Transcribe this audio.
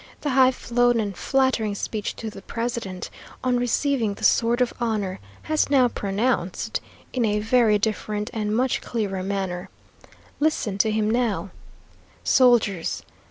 the high flown and flattering speech to the president, on receiving the sword of honour, has now pronounced in a very different and much clearer manner. Listen to him now: "Soldiers!